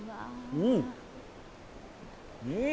うん！